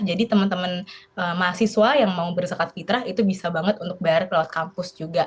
jadi teman teman mahasiswa yang mau berzakat fitrah itu bisa banget untuk bayar lewat kampus juga